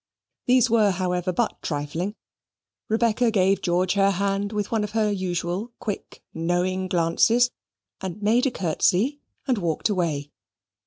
These were, however, but trifling. Rebecca gave George her hand with one of her usual quick knowing glances, and made a curtsey and walked away.